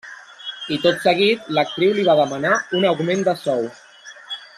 I tot seguit, l'actriu li va demanar un augment de sou.